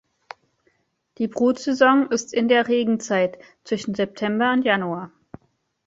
Die Brutsaison ist in der Regenzeit, zwischen September und Januar.